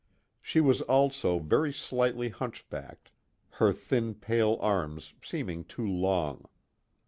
She was also very slightly hunchbacked, her thin pale arms seeming too long.